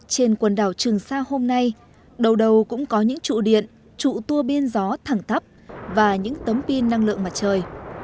trên quần đảo trường sa hôm nay đầu đầu cũng có những trụ điện trụ tour biên gió thẳng thắp và những tấm pin năng lượng mặt trời